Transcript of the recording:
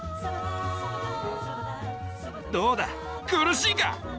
どうだ苦しいか？